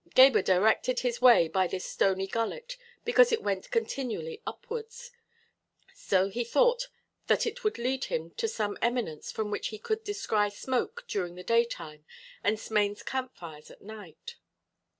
Gebhr directed his way by this stony gullet because it went continually upwards; so he thought that it would lead him to some eminence from which he could descry smoke during the daytime and Smain's camp fires at night.